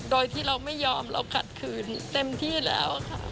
โดยที่เราไม่ยอมเราขัดขืนเต็มที่แล้วค่ะ